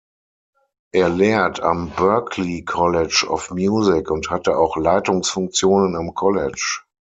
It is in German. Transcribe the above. Er lehrt am Berklee College of Music und hatte auch Leitungsfunktionen am College.